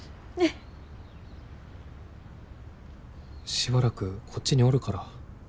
しばらくこっちにおるから。